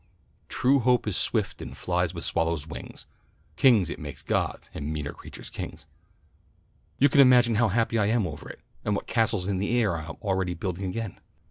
'True hope is swift and flies with swallows' wings. Kings it makes gods, and meaner creatures kings.' You can imagine how happy I am over it, and what castles in the air I am already building again."